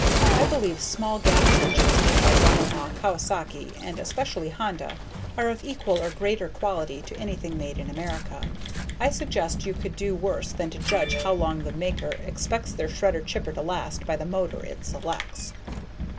I believe small gas engines made by Yamaha, Kawasaki, and especially Honda, are of equal or greater quality to anything made in America. I suggest you could do worse than to judge how long the maker expects their shredder/chipper to last by the motor it selects.